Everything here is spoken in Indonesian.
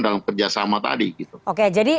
dalam kerjasama tadi gitu oke jadi